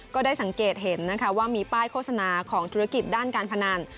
ก็ได้สังเกตเห็นนะคะว่ามีป้ายโฆษณาของธุรกิจด้านการพนัน